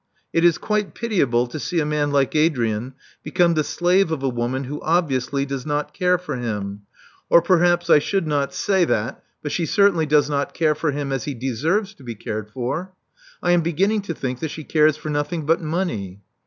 It is quite pitiable to see a man like Adrian become the slave of a woman who obviously does not care for him — or perhaps I should not say Love Among the Artists 381 that; but she certainly does not care for him as he deserves to be cared for. I am beginning to think that she cares for nothing but money."